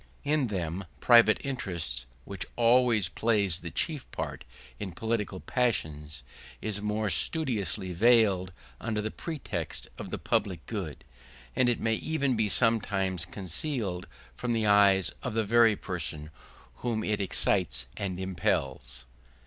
In them private interest, which always plays the chief part in political passions, is more studiously veiled under the pretext of the public good; and it may even be sometimes concealed from the eyes of the very persons whom it excites and impels.